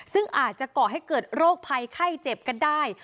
ซึ่งอาจจะก่อให้เกิดโรคภัยไข้เจ็บกันได้